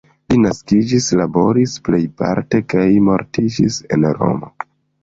Li naskiĝis, laboris plejparte kaj mortiĝis en Romo.